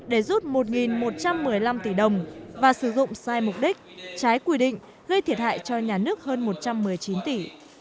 để rút một một trăm một mươi năm tỷ đồng và sử dụng sai mục đích trái quy định gây thiệt hại cho nhà nước hơn một trăm một mươi chín tỷ